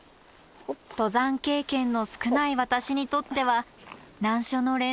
登山経験の少ない私にとっては難所の連続です